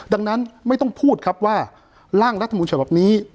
ดังนั้นไม่ต้องพูดครับว่าร่างรัฐมนต์ฉบับนี้